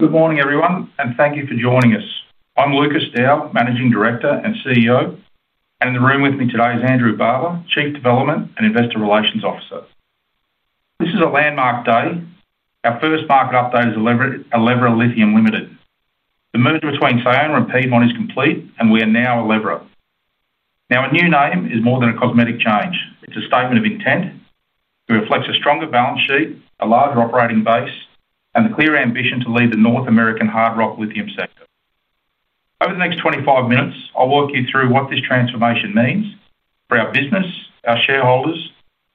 Good morning, everyone, and thank you for joining us. I'm Lucas Dow, Managing Director and CEO, and in the room with me today is Andrew Barber, Chief Development and Investor Relations Officer. This is a landmark day. Our first market update is Elevra Lithium Ltd. The merger between Sayona and Piedmont Lithium is complete, and we are now Elevra. Now, a new name is more than a cosmetic change; it's a statement of intent that reflects a stronger balance sheet, a larger operating base, and the clear ambition to lead the North American hard rock lithium sector. Over the next 25 minutes, I'll walk you through what this transformation means for our business, our shareholders,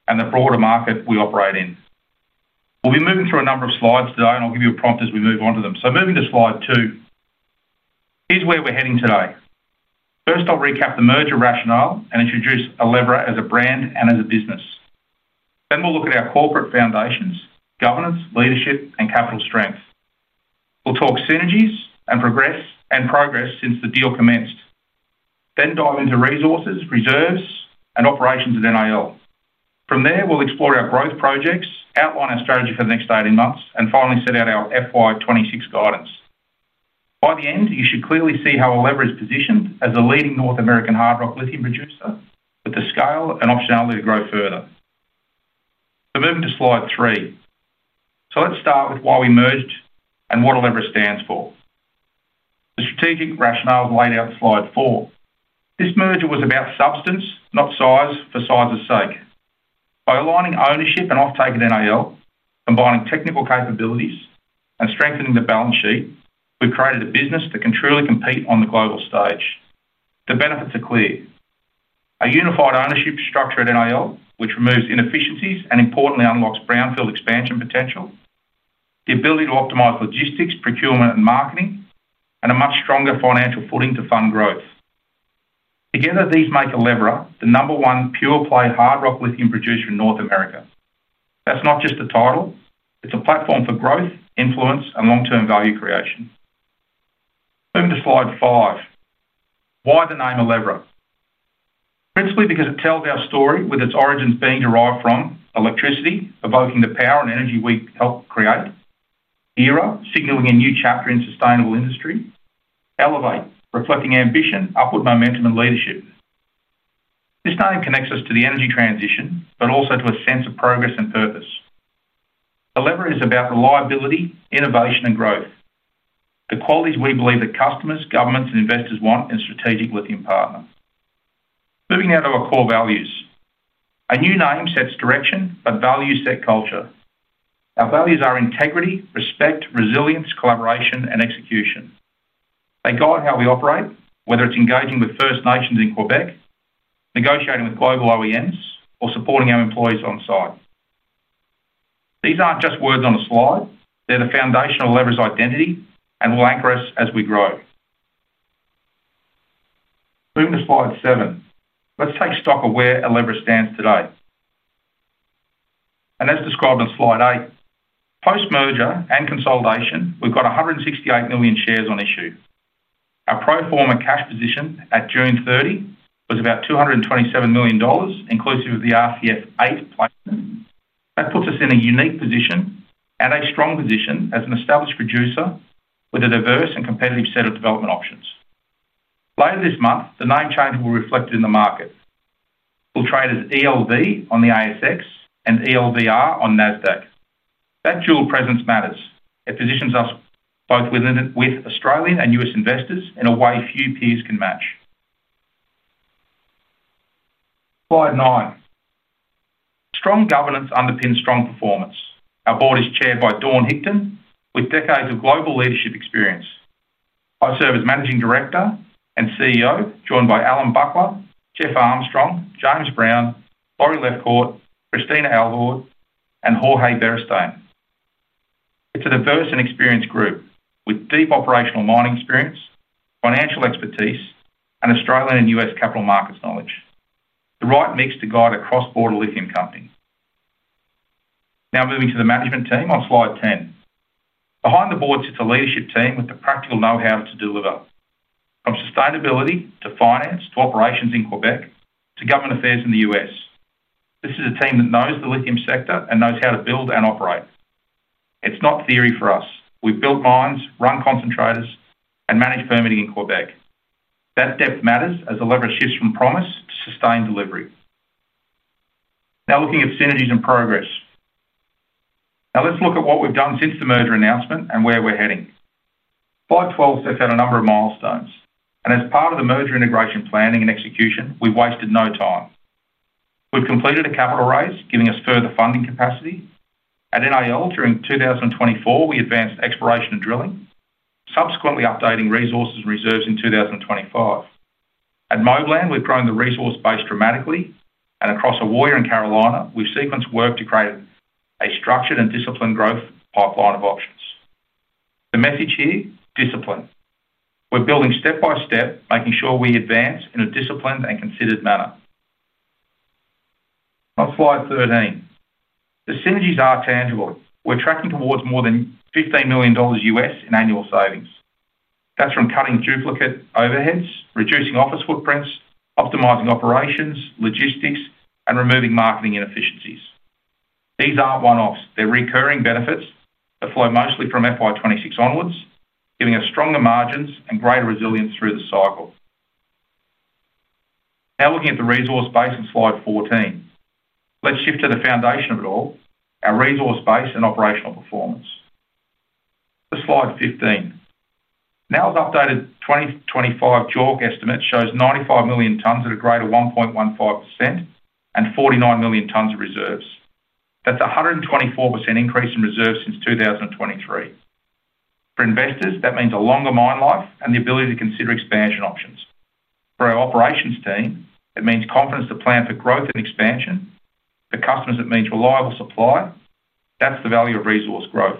and the broader market we operate in. We'll be moving through a number of slides today, and I'll give you a prompt as we move on to them. Moving to slide two, here's where we're heading today. First, I'll recap the merger rationale and introduce Elevra as a brand and as a business. Then we'll look at our corporate foundations, governance, leadership, and capital strength. We'll talk synergies and progress since the deal commenced. Then dive into resources, reserves, and operations at NAL. From there, we'll explore our growth projects, outline our strategy for the next 18 months, and finally set out our FY2026 guidance. By the end, you should clearly see how Elevra is positioned as a leading North American hard rock lithium producer with the scale and optionality to grow further. Moving to slide three. Let's start with why we merged and what Elevra stands for. The strategic rationale is laid out in slide four. This merger was about substance, not size for size's sake. By aligning ownership and offtake at NAL, combining technical capabilities, and strengthening the balance sheet, we created a business that can truly compete on the global stage. The benefits are clear. A unified ownership structure at NAL, which removes inefficiencies and importantly unlocks brownfield expansion potential, the ability to optimize logistics, procurement, and marketing, and a much stronger financial footing to fund growth. Together, these make Elevra the number one pure play hard rock lithium producer in North America. That's not just a title; it's a platform for growth, influence, and long-term value creation. Moving to slide five, why the name Elevra? Principally because it tells our story with its origins being derived from electricity, evoking the power and energy we helped create, ERA, signaling a new chapter in sustainable industry, Elevate, reflecting ambition, upward momentum, and leadership. This name connects us to the energy transition, but also to a sense of progress and purpose. Elevra is about reliability, innovation, and growth. The qualities we believe that customers, governments, and investors want in strategic lithium partners. Moving now to our core values. A new name sets direction, but values set culture. Our values are integrity, respect, resilience, collaboration, and execution. They guide how we operate, whether it's engaging with First Nations in Quebec, negotiating with global OEMs, or supporting our employees on site. These aren't just words on a slide; they're the foundation of Elevra's identity and will anchor us as we grow. Moving to slide seven, let's take stock of where Elevra stands today. As described on slide eight, post-merger and consolidation, we've got 168 million shares on issue. Our pro forma cash position at June 30 was about $227 million, inclusive of the RCF VIII placement. That puts us in a unique position and a strong position as an established producer with a diverse and competitive set of development options. Later this month, the name change will be reflected in the market. We'll trade as ELV on the ASX and ELVR on NASDAQ. That dual presence matters. It positions us both within it with Australian and U.S. investors in a way few peers can match. Slide nine. Strong governance underpins strong performance. Our board is chaired by Dawne Hickton, with decades of global leadership experience. I serve as Managing Director and CEO, joined by Allan Buckler, Jeff Armstrong, James Brown, Laurie Lefcourt, Christina Alvord, and Jorge Beristain. It's a diverse and experienced group with deep operational mining experience, financial expertise, and Australian and U.S. capital markets knowledge. The right mix to guide a cross-border lithium company. Now moving to the management team on slide ten. Behind the board sits a leadership team with the practical know-how to deliver. From sustainability to finance to operations in Quebec to government affairs in the U.S. This is a team that knows the lithium sector and knows how to build and operate. It's not theory for us. We've built mines, run concentrators, and manage permitting in Quebec. That depth matters as Elevra shifts from promise to sustained delivery. Now looking at synergies and progress. Now let's look at what we've done since the merger announcement and where we're heading. Slide 12 sets out a number of milestones. As part of the merger integration planning and execution, we've wasted no time. We've completed a capital raise, giving us further funding capacity. At NAL during 2024, we advanced exploration and drilling, subsequently updating resources and reserves in 2025. At Moblan, we've grown the resource base dramatically, and across Ewoyaa and Carolina, we've sequenced work to create a structured and disciplined growth pipeline of options. The message here? Discipline. We're building step by step, making sure we advance in a disciplined and considered manner. On slide 13, the synergies are tangible. We're tracking towards more than $15 million in annual savings. That's from cutting duplicate overheads, reducing office footprints, optimizing operations, logistics, and removing marketing inefficiencies. These aren't one-offs. They're recurring benefits that flow mostly from FY2026 onwards, giving us stronger margins and greater resilience through the cycle. Now looking at the resource base in slide 14, let's shift to the foundation of it all, our resource base and operational performance. To slide 15. Now, the updated 2025 JORC estimate shows 95 million tons at a grade of 1.15% and 49 million tons of reserves. That's a 124% increase in reserves since 2023. For investors, that means a longer mine life and the ability to consider expansion options. For our operations team, it means confidence to plan for growth and expansion. For customers, it means reliable supply. That's the value of resource growth.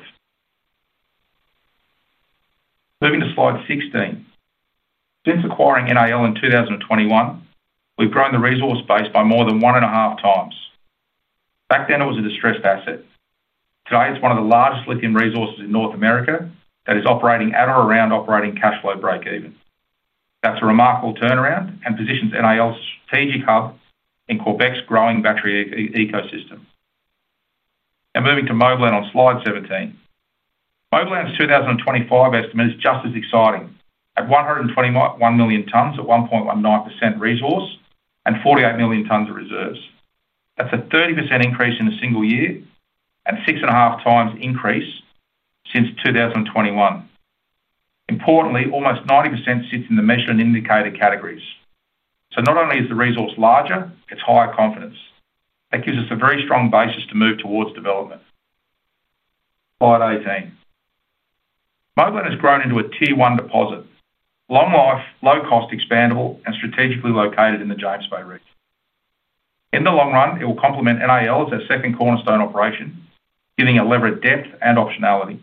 Moving to slide 16. Since acquiring NAL in 2021, we've grown the resource base by more than one and a half times. Back then, it was a distressed asset. Today, it's one of the largest lithium resources in North America that is operating at or around operating cash flow break-even. That's a remarkable turnaround and positions NAL as a strategic hub in Quebec's growing battery ecosystem. Moving to Moblan on slide 17. Moblan's 2025 estimate is just as exciting. At 121 million tons at 1.19% resource and 48 million tons of reserves. That's a 30% increase in a single year and 6.5xsix and a half times increase since 2021. Importantly, almost 90% sits in the measured and indicated categories. Not only is the resource larger, it's higher confidence. That gives us a very strong basis to move towards development. Slide 18. Moblan has grown into a Tier 1 deposit. Long life, low cost, expandable, and strategically located in the James Bay region. In the long run, it will complement NAL as a second cornerstone operation, giving Elevra depth and optionality.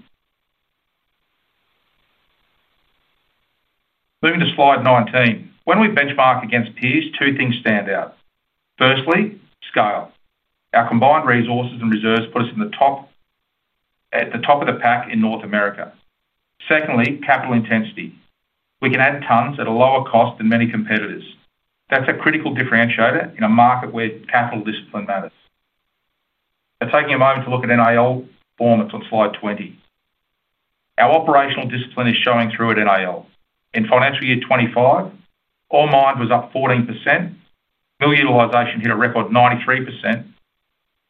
Moving to slide 19. When we benchmark against peers, two things stand out. Firstly, scale. Our combined resources and reserves put us at the top of the pack in North America. Secondly, capital intensity. We can add tons at a lower cost than many competitors. That's a critical differentiator in a market where capital discipline matters. Now, taking a moment to look at NAL performance on slide 20. Our operational discipline is showing through at NAL. In financial year 2025, ore mined was up 14%. Mill utilization hit a record 93%.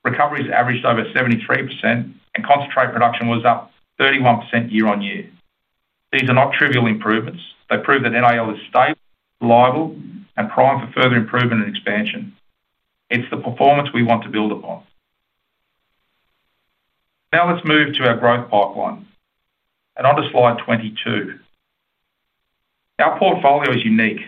Recoveries averaged over 73%, and concentrate production was up 31% year-on-year. These are not trivial improvements. They prove that NAL is stable, reliable, and prime for further improvement and expansion. It's the performance we want to build upon. Now let's move to our growth pipeline. On to slide 22. Our portfolio is unique.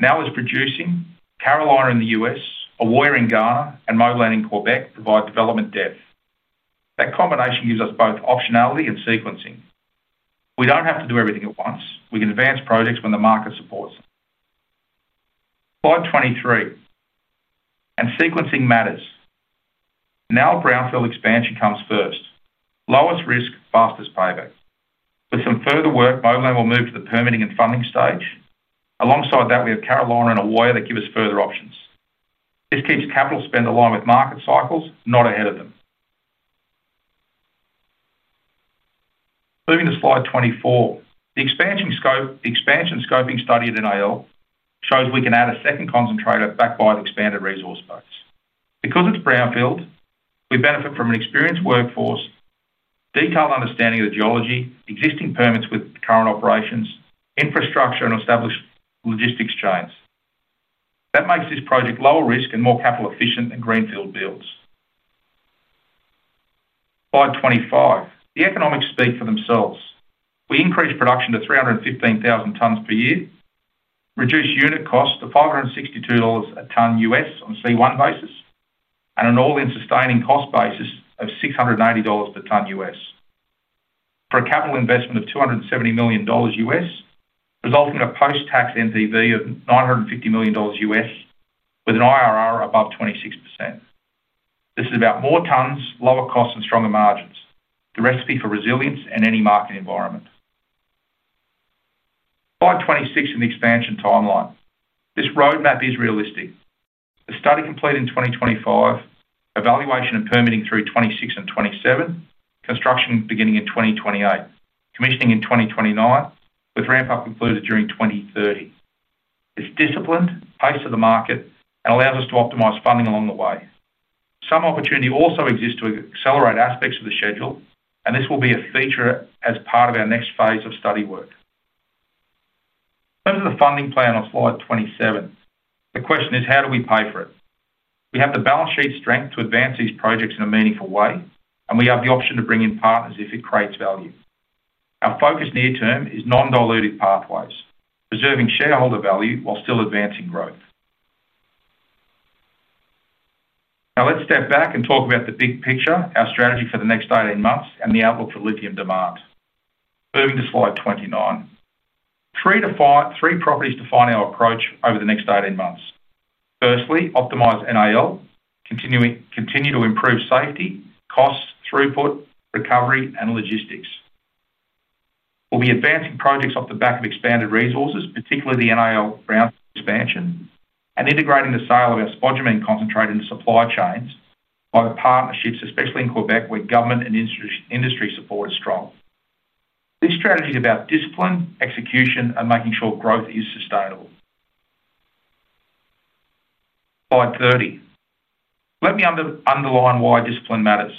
NAL is producing, Carolina in the United States, Ewoyaa in Ghana, and Moblan in Quebec provide development depth. That combination gives us both optionality and sequencing. We don't have to do everything at once. We can advance projects when the market supports them. Slide 23. Sequencing matters. NAL brownfield expansion comes first. Lowest risk, fastest payback. With some further work, Moblan will move to the permitting and funding stage. Alongside that, we have Carolina and Ewoyaa that give us further options. This keeps capital spend aligned with market cycles, not ahead of them. Moving to slide 24. The expansion scoping study at NAL shows we can add a second concentrator backed by the expanded resource base. Because it's brownfield, we benefit from an experienced workforce, detailed understanding of the geology, existing permits with the current operations, infrastructure, and established logistics chains. That makes this project lower risk and more capital efficient than greenfield builds. Slide 25. The economics speak for themselves. We increase production to 315,000 tons per year, reduce unit costs to $562 per ton U.S. on a C1 basis, and an all-in sustaining cost basis of $680 per ton U.S. For a capital investment of $270 million, resulting in a post-tax NPV of $950 million, with an IRR above 26%. This is about more tons, lower costs, and stronger margins. The recipe for resilience in any market environment. Slide 26 in the expansion timeline. This roadmap is realistic. The study completed in 2025, evaluation and permitting through 2026 and 2027, construction beginning in 2028, commissioning in 2029, with ramp-up included during 2030. It's disciplined, paced for the market, and allows us to optimize funding along the way. Some opportunity also exists to accelerate aspects of the schedule, and this will be a feature as part of our next phase of study work. In terms of the funding plan on slide 27, the question is how do we pay for it? We have the balance sheet strength to advance these projects in a meaningful way, and we have the option to bring in partners if it creates value. Our focus near term is non-dilutive pathways, preserving shareholder value while still advancing growth. Now let's step back and talk about the big picture, our strategy for the next 18 months, and the outlook for lithium demand. Moving to slide 29. Three properties define our approach over the next 18 months. Firstly, optimize NAL, continue to improve safety, costs, throughput, recovery, and logistics. We'll be advancing projects off the back of expanded resources, particularly the NAL brownfield expansion, and integrating the sale of our spodumene concentrate into supply chains by the partnerships, especially in Quebec where government and industry support is strong. This strategy is about discipline, execution, and making sure growth is sustainable. Slide 30. Let me underline why discipline matters.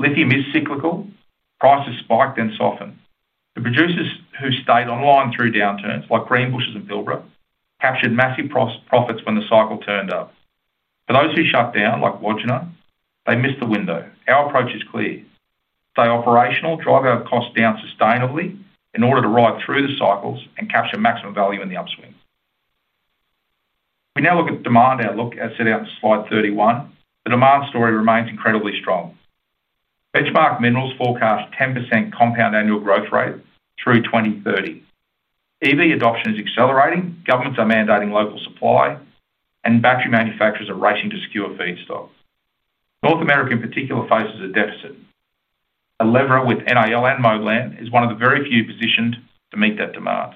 Lithium is cyclical. Prices spike, then soften. The producers who stayed online through downturns, like Greenbushes and Pilbara, captured massive profits when the cycle turned up. For those who shut down, like Wodgina, they missed the window. Our approach is clear. Stay operational, drive our costs down sustainably in order to ride through the cycles and capture maximum value in the upswings. We now look at demand outlook as set out in slide 31. The demand story remains incredibly strong. Benchmark Minerals forecast a 10% compound annual growth rate through 2030. EV adoption is accelerating, governments are mandating local supply, and battery manufacturers are racing to secure feedstocks. North America, in particular, faces a deficit. Elevra, with NAL and Moblan, is one of the very few positioned to meet that demand.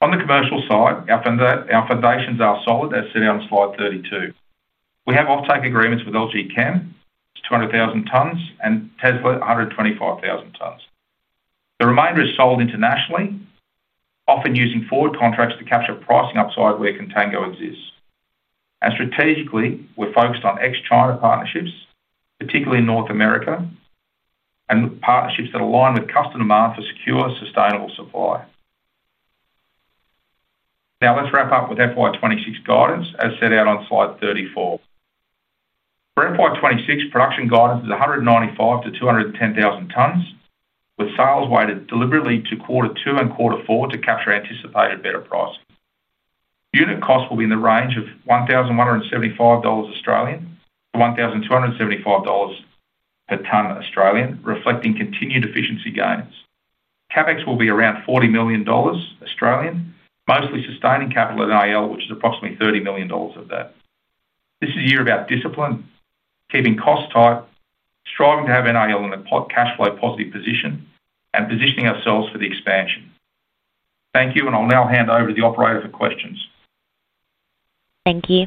On the commercial side, our foundations are solid as set out in slide 32. We have offtake agreements with LG Chem, 200,000 tons, and Tesla, 125,000 tons. The remainder is sold internationally, often using forward contracts to capture pricing upside where contango exists. Strategically, we're focused on ex-China partnerships, particularly in North America, and partnerships that align with customer demand for secure, sustainable supply. Now let's wrap up with FY2026 guidance as set out on slide 34. For FY2026, production guidance is 195,000 tons-210,000 tons, with sales weighted deliberately to quarter two and quarter four to capture anticipated better prices. Unit costs will be in the range of A$1,175 toA$1,275 per ton, reflecting continued efficiency gains. CapEx will be around A$40 million, mostly sustaining capital at NAL, which is approximately A$30 million of that. This is a year about discipline, keeping costs tight, striving to have NAL in a cash flow positive position, and positioning ourselves for the expansion. Thank you, and I'll now hand over to the operator for questions. Thank you.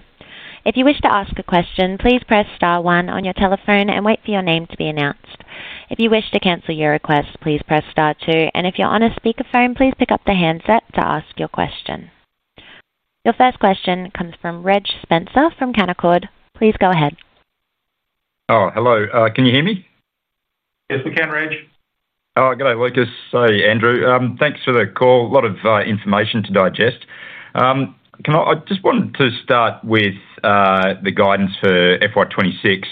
If you wish to ask a question, please press star one on your telephone and wait for your name to be announced. If you wish to cancel your request, please press star two, and if you're on a speaker phone, please pick up the handset to ask your question. Your first question comes from Reg Spencer from Canaccord. Please go ahead. Oh, hello. Can you hear me? Yes, we can, Reg. Oh, good day, Lucas. Hey, Andrew. Thanks for the call. A lot of information to digest. Can I just wanted to start with the guidance for FY2026.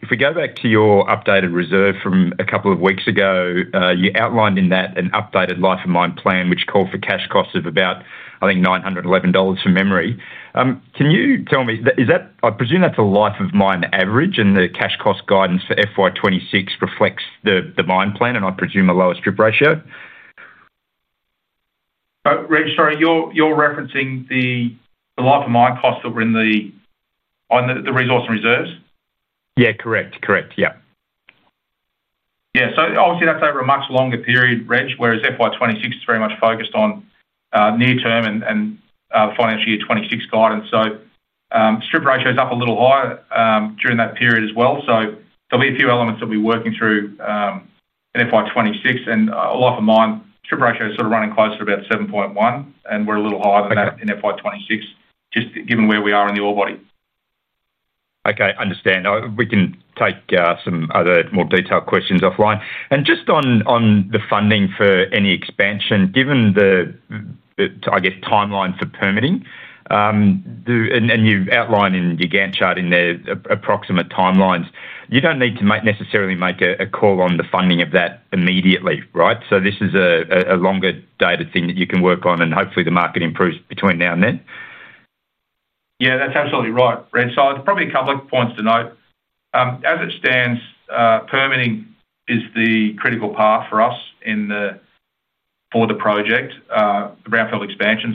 If we go back to your updated reserve from a couple of weeks ago, you outlined in that an updated life of mine plan, which called for cash costs of about $911 from memory. Can you tell me, is that, I presume that's a life of mine average and the cash cost guidance for FY2026 reflects the mine plan and I presume a lower strip ratio? Oh, Reg, sorry, you're referencing the life of mine costs that were in the resources and reserves? Correct. Correct. Yeah. Yeah, so obviously that's over a much longer period, Reg, whereas FY2026 is very much focused on near term and the financial year 2026 guidance. Strip ratio is up a little higher during that period as well. There'll be a few elements that we'll be working through in FY2026, and life of mine strip ratio is sort of running closer to about 7.1, and we're a little higher than that in FY2026, just given where we are in the ore body. Okay, understand. We can take some other more detailed questions offline. Just on the funding for any expansion, given the, I guess, timeline for permitting, and you've outlined in your Gantt chart in there approximate timelines, you don't need to necessarily make a call on the funding of that immediately, right? This is a longer data thing that you can work on and hopefully the market improves between now and then. Yeah, that's absolutely right, Reg. There's probably a couple of points to note. As it stands, permitting is the critical path for us for the project, the brownfield expansion.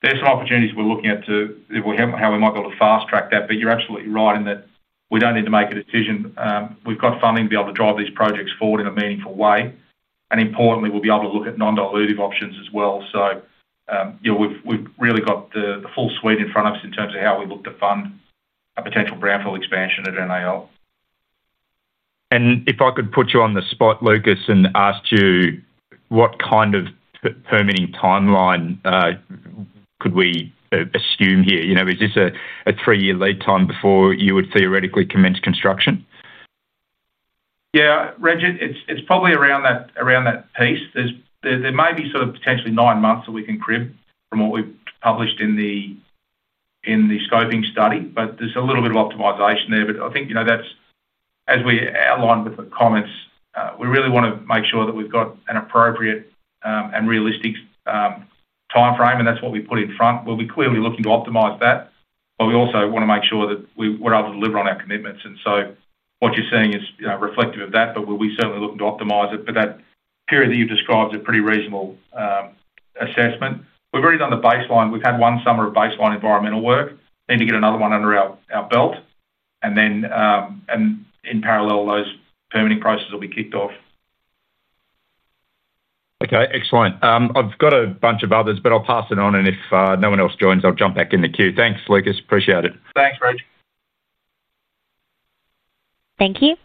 There are some opportunities we're looking at for how we might be able to fast track that, but you're absolutely right in that we don't need to make a decision. We've got funding to be able to drive these projects forward in a meaningful way, and importantly, we'll be able to look at non-dilutive options as well. We've really got the full suite in front of us in terms of how we look to fund a potential brownfield expansion at NAL. If I could put you on the spot, Lucas, and ask you what kind of permitting timeline could we assume here? You know, is this a three-year lead time before you would theoretically commence construction? Yeah, Reg, it's probably around that piece. There may be sort of potentially nine months that we can crib from what we published in the scoping study, but there's a little bit of optimization there. I think, you know, that's as we outlined with the comments, we really want to make sure that we've got an appropriate and realistic timeframe, and that's what we put in front. We'll be clearly looking to optimize that, but we also want to make sure that we're able to deliver on our commitments. What you're seeing is reflective of that, but we'll be certainly looking to optimize it. That period that you've described is a pretty reasonable assessment. We've already done the baseline. We've had one summer of baseline environmental work. We need to get another one under our belt, and then in parallel, those permitting processes will be kicked off. Okay, excellent. I've got a bunch of others, but I'll pass it on, and if no one else joins, I'll jump back in the queue. Thanks, Lucas. Appreciate it. Thanks, Reg. Thank you.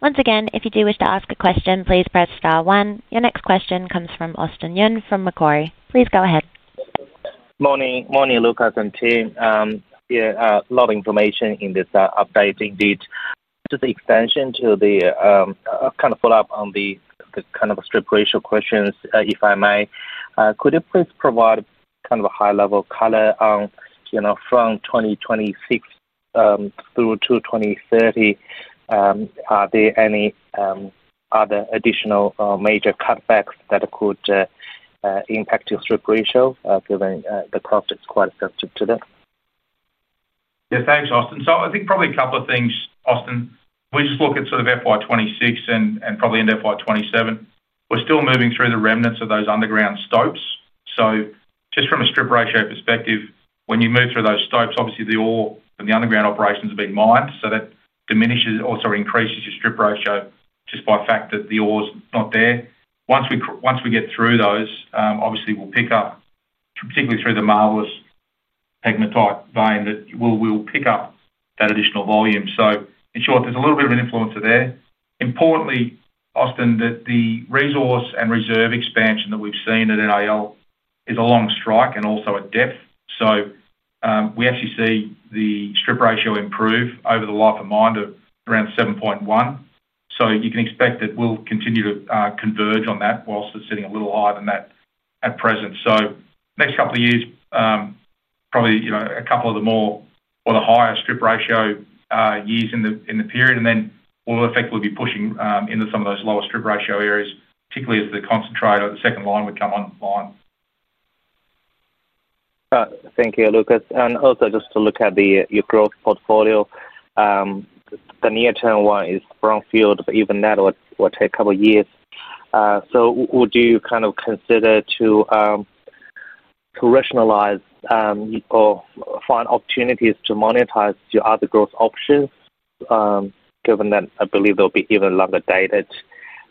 Once again, if you do wish to ask a question, please press star one. Your next question comes from Austin Yun from Macquarie. Please go ahead. Morning, Lucas and team. Yeah, a lot of information in this update you did. To the extension, to the follow-up on the strip ratio questions, if I may, could you please provide a high-level color on, you know, from 2026 through to 2030, are there any other additional major cutbacks that could impact your strip ratio, given the cost is quite sensitive to that? Yeah, thanks, Austin. I think probably a couple of things, Austin. If we just look at sort of FY2026 and probably into FY2027, we're still moving through the remnants of those underground stopes. Just from a strip ratio perspective, when you move through those stopes, obviously the ore and the underground operations are being mined, so that diminishes and also increases your strip ratio just by the fact that the ore's not there. Once we get through those, we'll pick up, particularly through the marvelous pegmatite vein, that additional volume. In short, there's a little bit of an influence there. Importantly, Austin, the resource and reserve expansion that we've seen at NAL is along strike and also at depth. We actually see the strip ratio improve over the life of mine to around 7.1. You can expect that we'll continue to converge on that whilst it's sitting a little higher than that at present. The next couple of years are probably a couple of the higher strip ratio years in the period, and then we'll effectively be pushing into some of those lower strip ratio areas, particularly as the concentrator at the second line would come online. Thank you, Lucas. Also, just to look at your growth portfolio, the near-term one is brownfield, but even that would take a couple of years. Would you consider to rationalize or find opportunities to monetize your other growth options, given that I believe they'll be even longer dated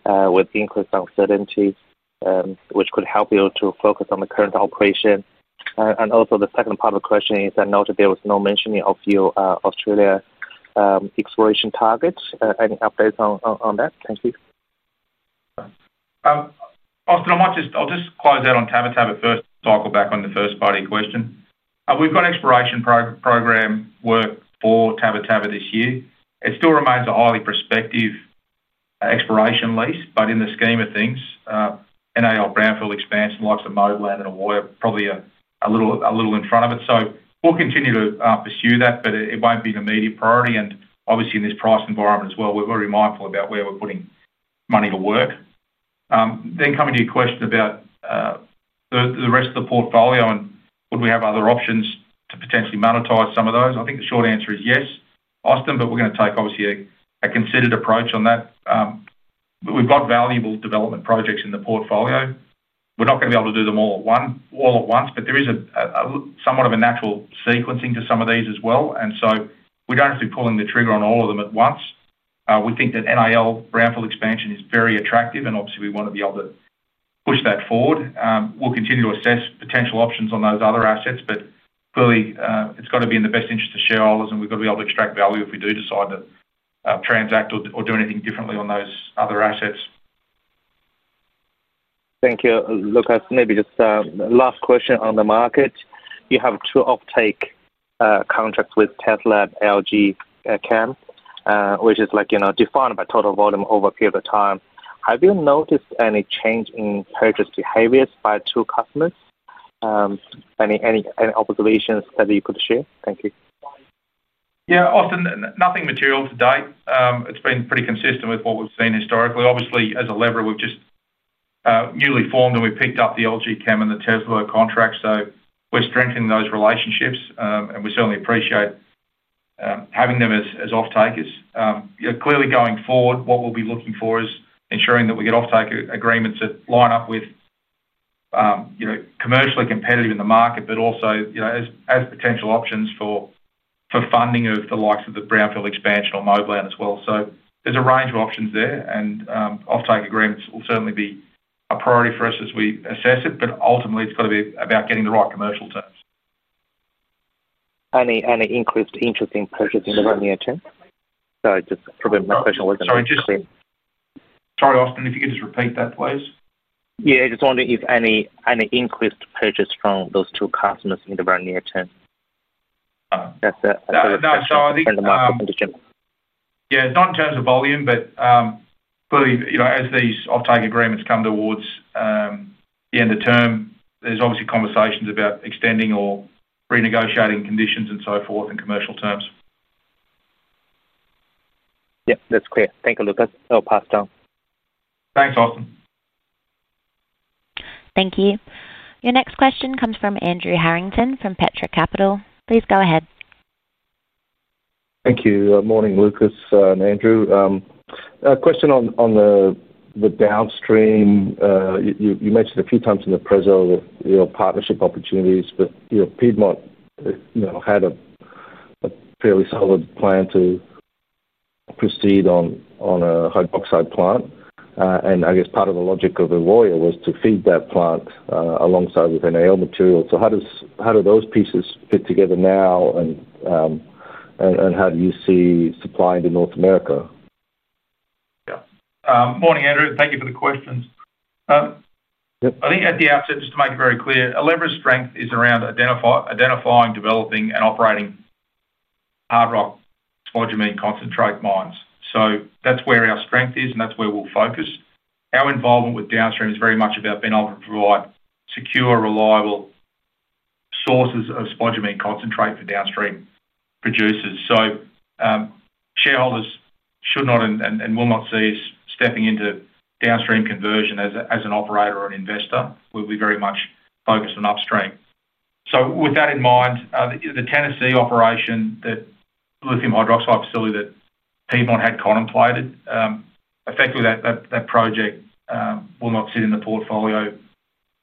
with increased uncertainties, which could help you to focus on the current operation? The second part of the question is I noted there was no mention of your Australia exploration target. Any updates on that? Thank you. I'll just close out on Tabatabba first, cycle back on the first part of your question. We've got an exploration program work for Tabatabba this year. It still remains a highly prospective exploration lease, but in the scheme of things, NAL brownfield expansion like Moblan and Ewoyaa are probably a little in front of it. We'll continue to pursue that, but it won't be an immediate priority. Obviously, in this price environment as well, we're very mindful about where we're putting money to work. Coming to your question about the rest of the portfolio and would we have other options to potentially monetize some of those, I think the short answer is yes, Austin, but we're going to take obviously a considered approach on that. We've got valuable development projects in the portfolio. We're not going to be able to do them all at once, but there is somewhat of a natural sequencing to some of these as well. We don't have to be pulling the trigger on all of them at once. We think that NAL brownfield expansion is very attractive, and obviously we want to be able to push that forward. We'll continue to assess potential options on those other assets, but clearly it's got to be in the best interest of shareholders, and we've got to be able to extract value if we do decide to transact or do anything differently on those other assets. Thank you, Lucas. Maybe just a last question on the market. You have two offtake contracts with Tesla and LG Chem, which is, like, you know, defined by total volume over a period of time. Have you noticed any change in purchase behaviors by two customers? Any observations that you could share? Thank you. Yeah, Austin, nothing material to date. It's been pretty consistent with what we've seen historically. Obviously, as Elevra, we've just newly formed and we've picked up the LG Chem and the Tesla contracts. We're strengthening those relationships, and we certainly appreciate having them as off-takers. Clearly, going forward, what we'll be looking for is ensuring that we get offtake agreements that line up with, you know, commercially competitive in the market, but also, you know, as potential options for funding of the likes of the brownfield expansion or Moblan as well. There's a range of options there, and offtake agreements will certainly be a priority for us as we assess it, but ultimately, it's got to be about getting the right commercial terms. Any increased interest in purchasing the end of term? Sorry, just probably my question wasn't that. Sorry, Austin, if you could just repeat that, please. Yeah, I just wondered if any increased purchase from those two customers in the end of term0. Not in terms of volume, but clearly, you know, as these offtake agreements come towards the end of term, there's obviously conversations about extending or renegotiating conditions and so forth in commercial terms. Yep, that's clear. Thank you, Lucas. I'll pass it on. Thanks, Austin. Thank you. Your next question comes from Andrew Harrington from Petra Capital. Please go ahead. Thank you. Morning, Lucas and Andrew. A question on the downstream. You mentioned a few times in the present your partnership opportunities, but you know, Piedmont, you know, had a fairly solid plan to proceed on a hydroxide plant. I guess part of the logic of the warrior was to feed that plant alongside with NAL material. How do those pieces fit together now and how do you see supplying to North America? Yeah. Morning, Andrew. Thank you for the questions. I think at the outset, just to make it very clear, Elevra's strength is around identifying, developing, and operating hard rock spodumene concentrate mines. That's where our strength is and that's where we'll focus. Our involvement with downstream is very much about being able to provide secure, reliable sources of spodumene concentrate for downstream producers. Shareholders should not and will not see us stepping into downstream conversion as an operator or an investor. We'll be very much focused on upstream. With that in mind, the Tennessee operation, that lithium hydroxide facility that Piedmont had contemplated, effectively that project will not sit in the portfolio.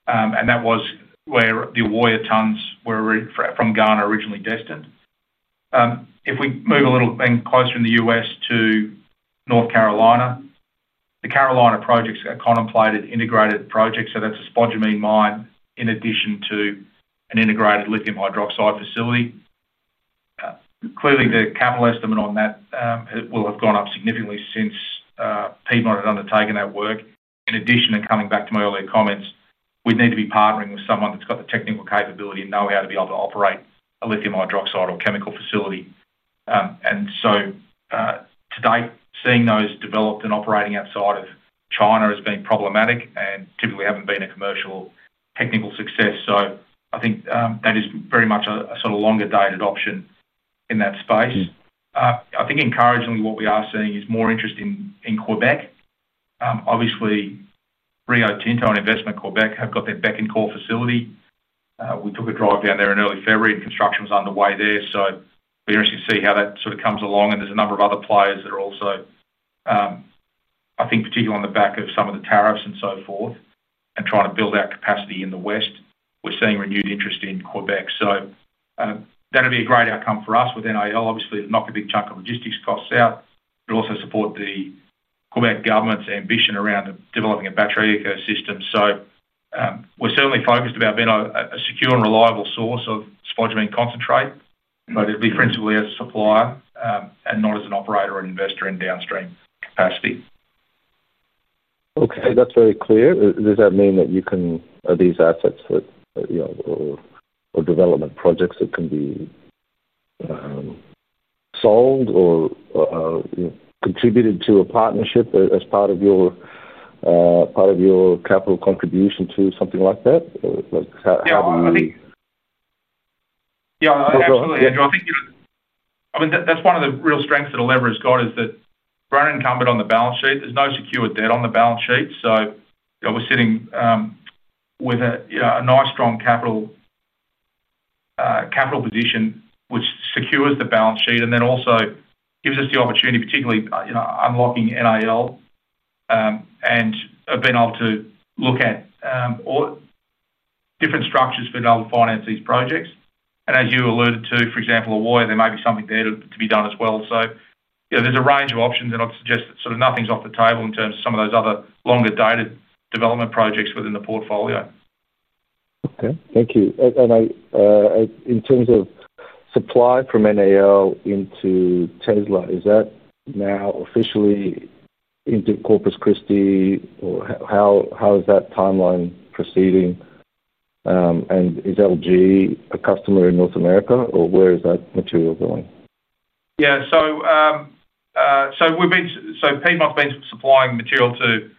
That was where the warrior tons were from Ghana originally destined. If we move a little bit closer in the U.S. to North Carolina, the Carolina project's contemplated integrated project. That's a spodumene mine in addition to an integrated lithium hydroxide facility. Clearly, the capital estimate on that will have gone up significantly since Piedmont had undertaken that work. In addition to coming back to my earlier comments, we'd need to be partnering with someone that's got the technical capability and know-how to be able to operate a lithium hydroxide or chemical facility. Today, seeing those developed and operating outside of China has been problematic and typically haven't been a commercial technical success. I think that is very much a sort of longer dated option in that space. Encouragingly, what we are seeing is more interest in Quebec. Obviously, Rio Tinto and Investissement Québec have got their Bécancour facility. We took a drive down there in early February and construction was underway there. We're going to see how that comes along. There are a number of other players that are also, I think, particularly on the back of some of the tariffs and so forth and trying to build out capacity in the West. We're seeing renewed interest in Quebec. That'd be a great outcome for us with NAL. Obviously, it'll knock a big chunk of logistics costs out. It'll also support the Quebec government's ambition around developing a battery ecosystem. We're certainly focused on being a secure and reliable source of spodumene concentrate, but it'll be principally as a supplier and not as an operator and investor in downstream capacities. Okay, that's very clear. Does that mean that you can, are these assets with, you know, or development projects that can be sold or contributed to a partnership as part of your capital contribution to something like that? I think that's one of the real strengths that Elevra's got is that we're unincumbered on the balance sheet. There's no secure debt on the balance sheet. We're sitting with a nice strong capital position, which secures the balance sheet and also gives us the opportunity, particularly unlocking NAL and being able to look at different structures for being able to finance these projects. As you alluded to, for example, Ewoyaa, there might be something there to be done as well. There's a range of options and I'd suggest that nothing's off the table in terms of some of those other longer dated development projects within the portfolio. Okay, thank you. In terms of supply from NAL into Tesla, is that now officially into Corpus Christi, or how is that timeline proceeding? Is LG a customer in North America, or where is that material going? Yeah, we've been, Piedmont's been supplying material to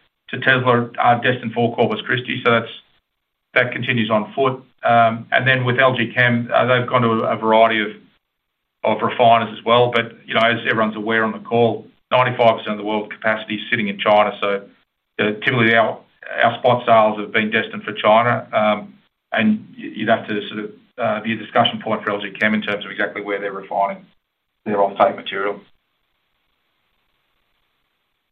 Tesla destined for Corpus Christi. That continues on foot. With LG Chem, they've gone to a variety of refiners as well. As everyone's aware on the call, 95% of the world's capacity is sitting in China. Typically, our spot sales have been destined for China. You'd have to sort of be a discussion point for LG Chem in terms of exactly where they're refining their offtake material.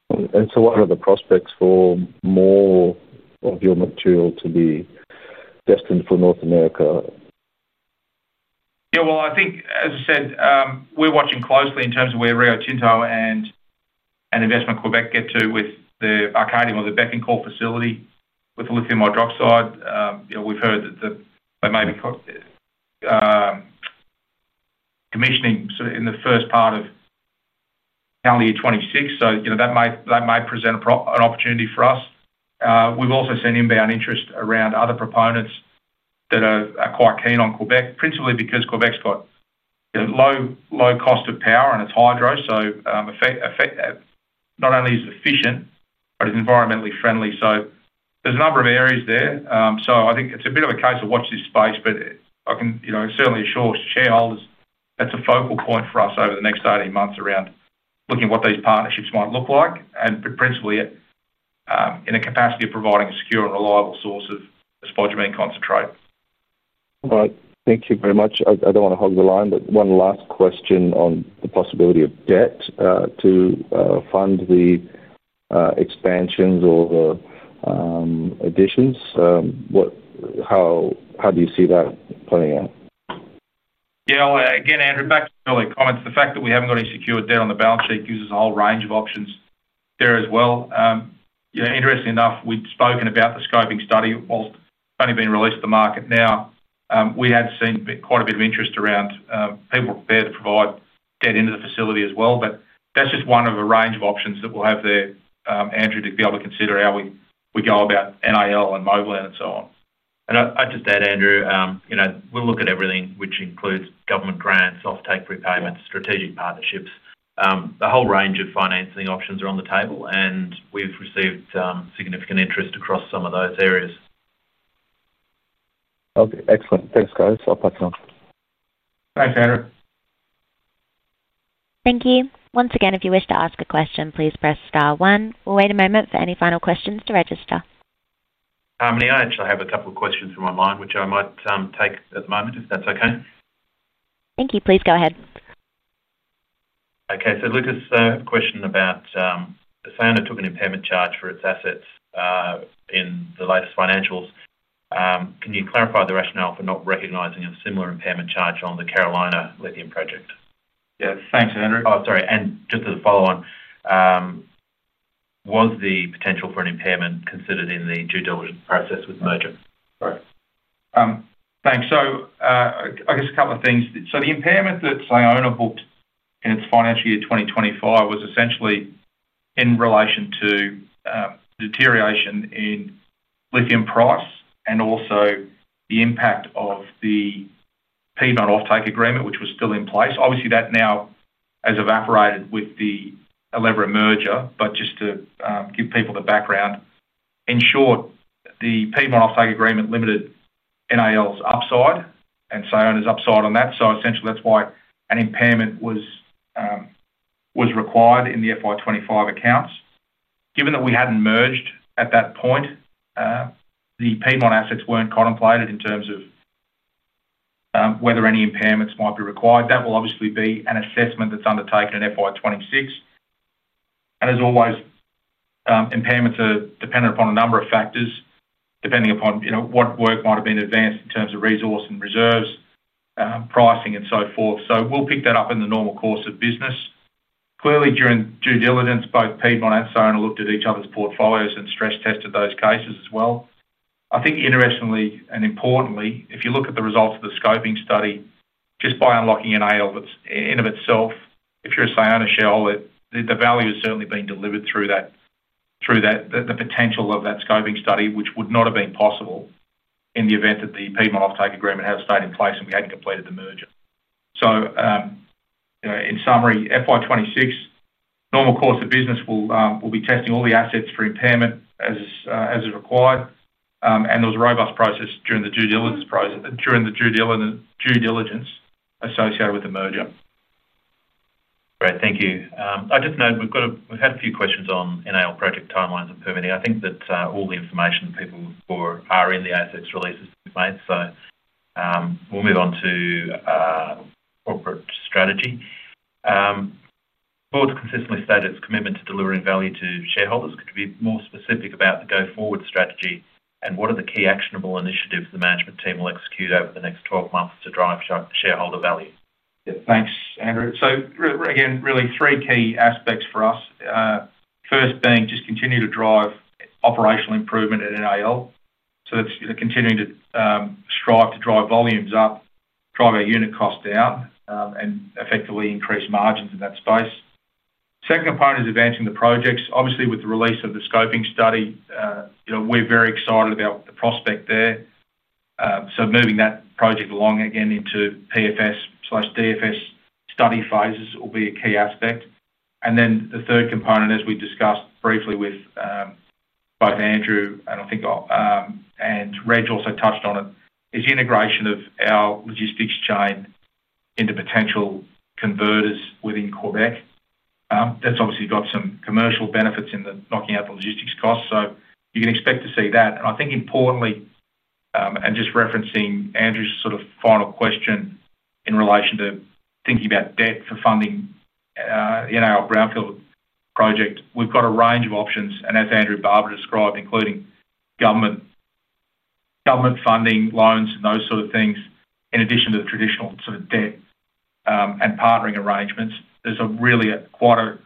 What are the prospects for more of your material to be destined for North America? I think, as I said, we're watching closely in terms of where Rio Tinto and Investissement Québec get to with the Arcadium or the Bécancour facility with the lithium hydroxide. We've heard that they may be commissioning in the first part of calendar year 2026. That may present an opportunity for us. We've also seen inbound interest around other proponents that are quite keen on Quebec, principally because Quebec's got a low cost of power and it's hydro. Not only is it efficient, but it's environmentally friendly. There are a number of areas there. I think it's a bit of a case of watch this space, but I can certainly assure shareholders that's a focal point for us over the next 18 months around looking at what these partnerships might look like, principally in a capacity of providing a secure and reliable source of spodumene concentrate. Thank you very much. I don't want to hog the line, but one last question on the possibility of debt to fund the expansions or the additions. How do you see that playing out? Yeah, again, Andrew, back to early comments, the fact that we haven't got any secure debt on the balance sheet gives us a whole range of options there as well. Interesting enough, we'd spoken about the scoping study. Whilst it's only been released to the market now, we had seen quite a bit of interest around people prepared to provide debt into the facility as well, but that's just one of a range of options that we'll have there, Andrew, to be able to consider how we go about NAL and Moblan and so on. I'd just add, Andrew, you know, we'll look at everything which includes government grants, offtake repayments, strategic partnerships. The whole range of financing options are on the table, and we've received significant interest across some of those areas. Okay, excellent. Thanks, guys. I'll pass it on. Thanks, Andrew. Thank you. Once again, if you wish to ask a question, please press star one. We'll wait a moment for any final questions to register. I actually have a couple of questions from online, which I might take at the moment if that's okay. Thank you. Please go ahead. Okay, so Lucas, a question about the saying it took an impairment charge for its assets in the latest financials. Can you clarify the rationale for not recognizing a similar impairment charge on the Carolina lithium project? Yeah, thanks, Andrew. Just as a follow-on, was the potential for an impairment considered in the due diligence process with the merger? Thanks. I guess a couple of things. The impairment that Sayona booked in its financial year 2025 was essentially in relation to deterioration in lithium price and also the impact of the Piedmont off-take agreement, which was still in place. Obviously, that now has evaporated with the Elevra merger, but just to give people the background, in short, the Piedmont off-take agreement limited NAL's upside and Sayona's upside on that. Essentially, that's why an impairment was required in the FY2025 accounts. Given that we hadn't merged at that point, the Piedmont assets weren't contemplated in terms of whether any impairments might be required. That will obviously be an assessment that's undertaken in FY2026. As always, impairments are dependent upon a number of factors, depending upon what work might have been advanced in terms of resource and reserves, pricing, and so forth. We'll pick that up in the normal course of business. Clearly, during due diligence, both Piedmont and Sayona looked at each other's portfolios and stress-tested those cases as well. I think interestingly and importantly, if you look at the results of the scoping study, just by unlocking NAL in and of itself, if you're a Sayona shareholder, the value has certainly been delivered through that, through the potential of that scoping study, which would not have been possible in the event that the Piedmont off-take agreement hadn't stayed in place and we hadn't completed the merger. In summary, FY2026, normal course of business, we'll be testing all the assets for impairment as is required. There was a robust process during the due diligence associated with the merger. Great, thank you. I just know we've had a few questions on NAL project timelines and permitting. I think that all the information people are looking for in the assets release is in place. We'll move on to corporate strategy. The board's consistently stated its commitment to delivering value to shareholders. Could you be more specific about the go-forward strategy and what are the key actionable initiatives the management team will execute over the next 12 months to drive shareholder value? Yeah, thanks, Andrew. Really three key aspects for us. First being just continue to drive operational improvement at NAL. It's continuing to strive to drive volumes up, drive our unit costs out, and effectively increase margins in that space. Second component is advancing the projects. Obviously, with the release of the scoping study, we're very excited about the prospect there. Moving that project along again into PFS/DFS study phases will be a key aspect. The third component, as we discussed briefly with both Andrew and I think Reg also touched on it, is the integration of our logistics chain into potential converters within Quebec. That's obviously got some commercial benefits in knocking out the logistics costs. You can expect to see that. Importantly, just referencing Andrew's sort of final question in relation to thinking about debt for funding the NAL brownfield project, we've got a range of options, and as Andrew Barber described, including government funding, loans, and those sort of things, in addition to the traditional sort of debt and partnering arrangements. There's really quite a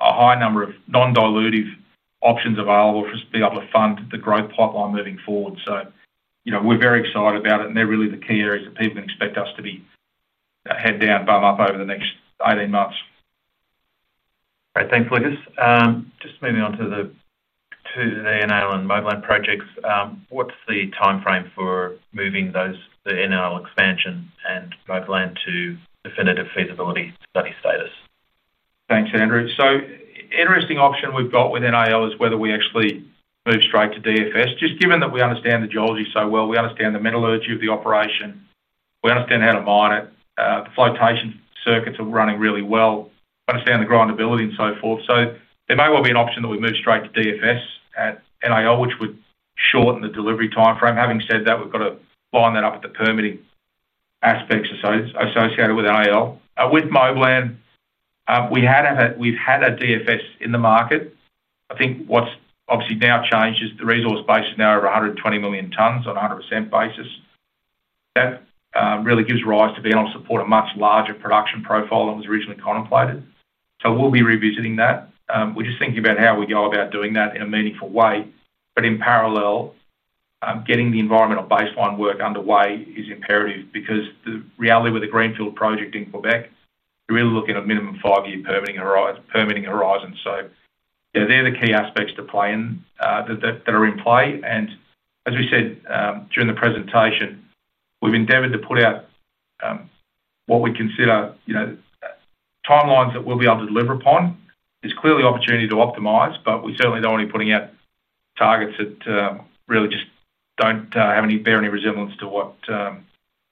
high number of non-dilutive options available for us to be able to fund the growth pipeline moving forward. We're very excited about it, and they're really the key areas that people expect us to be head down, bum up over the next 18 months. All right, thanks, Lucas. Just moving on to the two NAL and Moblan projects, what's the timeframe for moving those, the NAL expansion and Moblan, to definitive feasibility study status? Thanks, Andrew. An interesting option we've got with NAL is whether we actually move straight to DFS, just given that we understand the geology so well. We understand the metallurgy of the operation. We understand how to mine it. The flotation circuits are running really well. We understand the grindability and so forth. It may well be an option that we move straight to DFS at NAL, which would shorten the delivery timeframe. Having said that, we've got to line that up with the permitting aspects associated with NAL. With Moblan, we've had a DFS in the market. I think what's obviously now changed is the resource base is now over 120 million tons on a 100% basis. That really gives rise to being able to support a much larger production profile than was originally contemplated. We'll be revisiting that. We're just thinking about how we go about doing that in a meaningful way. In parallel, getting the environmental baseline work underway is imperative because the reality with the greenfield project in Quebec, you're really looking at a minimum five-year permitting horizon. They're the key aspects that are in play. As we said during the presentation, we've endeavored to put out what we consider timelines that we'll be able to deliver upon. There's clearly opportunity to optimize, but we certainly don't want to be putting out targets that really just don't bear any resemblance to what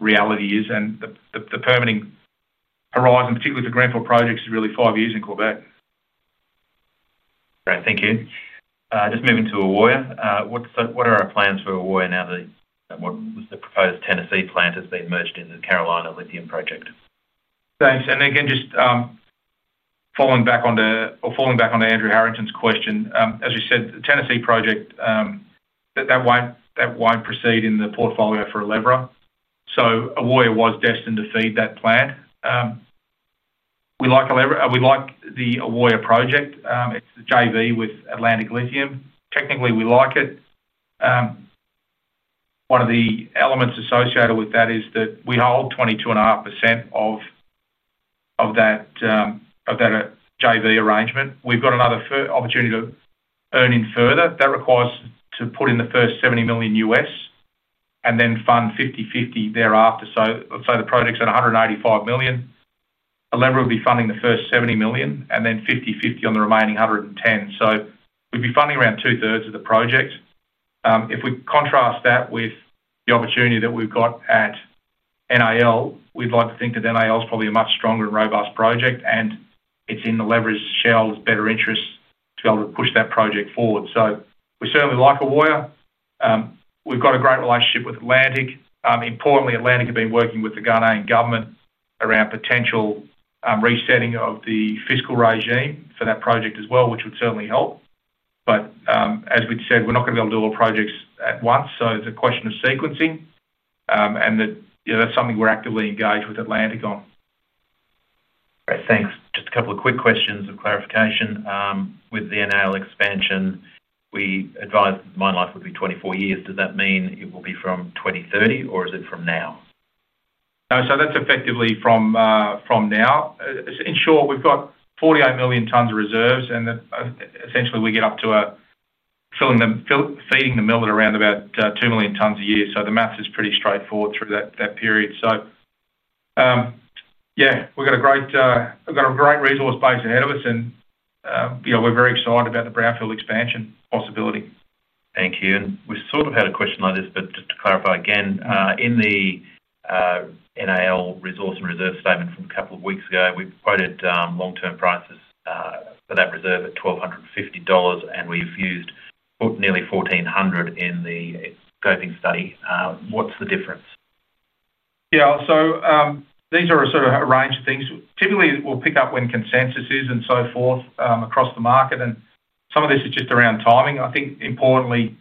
reality is. The permitting horizon, particularly with the greenfield projects, is really five years in Quebec. Great, thank you. Just moving to Ewoyaa. What are our plans for Ewoyaa now that the proposed Tennessee plant has been merged into the Carolina lithium project? Thanks. Just falling back onto Andrew Harrington's question, as you said, the Tennessee project, that won't proceed in the portfolio for Elevra. Ewoyaa was destined to feed that plant. We like the Ewoyaa project. It's the JV with Atlantic Lithium. Technically, we like it. One of the elements associated with that is that we hold 22.5% of that JV arrangement. We've got another opportunity to earn in further. That requires us to put in the first $70 million and then fund 50-50 thereafter. Let's say the project's at $185 million. Elevra would be funding the first $70 million and then 50-50 on the remaining $110 million. We'd be funding around two-thirds of the project. If we contrast that with the opportunity that we've got at NAL, we'd like to think that NAL is probably a much stronger and robust project, and it's in Elevra's best interest to be able to push that project forward. We certainly like Ewoyaa. We've got a great relationship with Atlantic. Importantly, Atlantic have been working with the Ghanaian government around potential resetting of the fiscal regime for that project as well, which would certainly help. As we've said, we're not going to be able to do all the projects at once. It's a question of sequencing, and that's something we're actively engaged with Atlantic on. Thanks. Just a couple of quick questions of clarification. With the NAL expansion, we advised mine life would be 24 years. Does that mean it will be from 2030 or is it from now? No, so that's effectively from now. In short, we've got 48 million tons of reserves, and essentially we get up to filling them, feeding the mill at around about 2 million tons a year. The math is pretty straightforward through that period. Yeah, we've got a great resource base ahead of us, and you know, we're very excited about the brownfield expansion possibility. Thank you. We sort of had a question like this, but just to clarify again, in the NAL resource and reserve statement from a couple of weeks ago, we've quoted long-term prices for that reserve at $1,250, and we've used nearly $1,400 in the scoping study. What's the difference? Yeah, so these are a sort of a range of things. Typically, we'll pick up when consensus is and so forth across the market, and some of this is just around timing. I think importantly,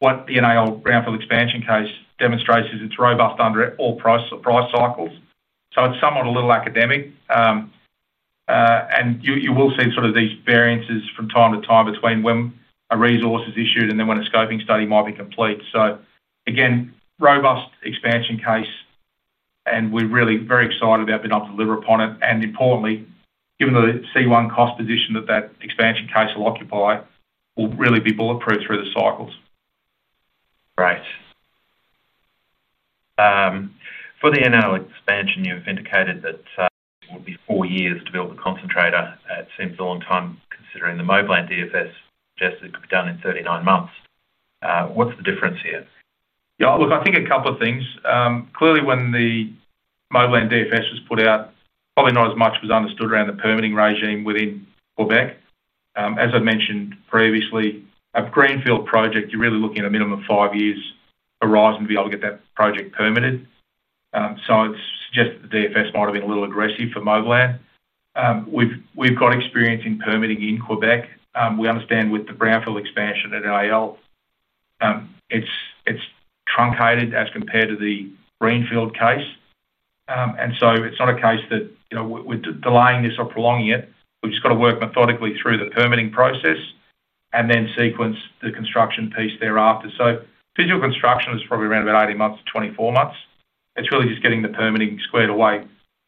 what the NAL brownfield expansion case demonstrates is it's robust under all price cycles. It's somewhat a little academic, and you will see sort of these variances from time to time between when a resource is issued and then when a scoping study might be complete. Again, robust expansion case, and we're really very excited about being able to deliver upon it. Importantly, given the C1 cost position that that expansion case will occupy, we'll really be bulletproof through the cycles. Great. For the NAL expansion, you've indicated that it would be four years to build the concentrator. It seems all in time considering the Moblan DFS suggested it could be done in 39 months. What's the difference here? Yeah, look, I think a couple of things. Clearly, when the Moblan DFS was put out, probably not as much was understood around the permitting regime within Quebec. As I'd mentioned previously, a greenfield project, you're really looking at a minimum of five years horizon to be able to get that project permitted. It suggests the DFS might have been a little aggressive for Moblan. We've got experience in permitting in Quebec. We understand with the brownfield expansion at NAL, it's truncated as compared to the greenfield case. It's not a case that we're delaying this or prolonging it. We've just got to work methodically through the permitting process and then sequence the construction piece thereafter. Physical construction is probably around 18 months-24 months. It's really just getting the permitting squared away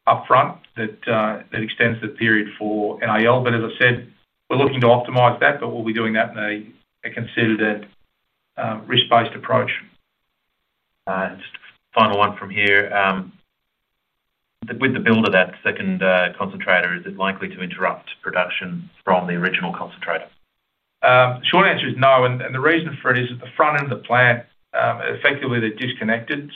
upfront that extends the period for NAL. As I said, we're looking to optimize that, but we'll be doing that in a considered and risk-based approach. With the build of that second concentrator, is it likely to interrupt production from the original concentrator? Short answer is no. The reason for it is that the front end of the plant, effectively, they're disconnected.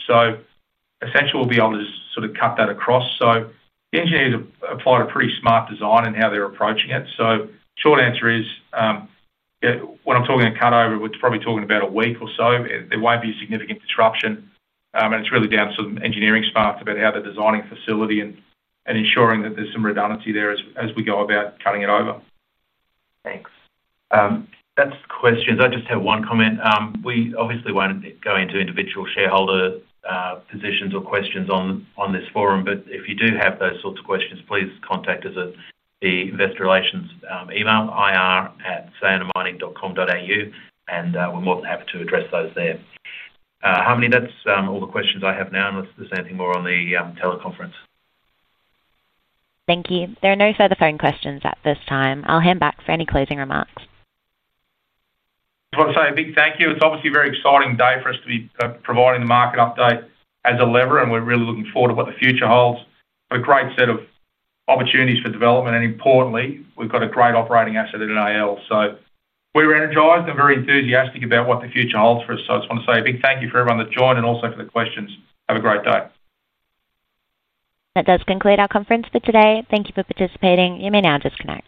Essentially, we'll be able to just sort of cut that across. The engineers applied a pretty smart design in how they're approaching it. The short answer is, when I'm talking about cut over, we're probably talking about a week or so. There won't be a significant disruption. It's really down to some engineering sparks about how they're designing the facility and ensuring that there's some redundancy there as we go about cutting it over. Thanks. That's questions. I just had one comment. We obviously won't go into individual shareholder positions or questions on this forum, but if you do have those sorts of questions, please contact us at the investor relations email, ir@elevralithium.com, and we're more than happy to address those there. How many, that's all the questions I have now unless there's anything more on the teleconference. Thank you. There are no further phone questions at this time. I'll hand back for any closing remarks. I just want to say a big thank you. It's obviously a very exciting day for us to be providing the market update as Elevra, and we're really looking forward to what the future holds. We have a great set of opportunities for development, and importantly, we've got a great operating asset at NAL. We're energized and very enthusiastic about what the future holds for us. I just want to say a big thank you for everyone that joined and also for the questions. Have a great day. That does conclude our conference for today. Thank you for participating. You may now disconnect.